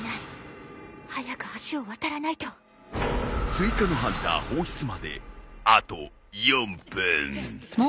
追加のハンター放出まであと４分。